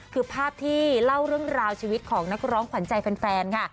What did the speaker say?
คือภาพที่เล่าเรื่องราวชีวิตของนักร้องขวัญใจแฟนค่ะ